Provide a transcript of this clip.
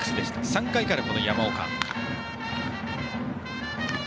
３回から山岡。